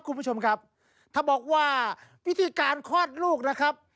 คุณผู้ชมครับถ้าบอกว่าพิธีการคลอดลูกนะครับ